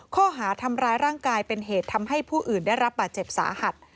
ข้อหาทำร้ายร่างกายเป็นเหตุทำให้ผู้อื่นได้รับบาดเจ็บสาหัส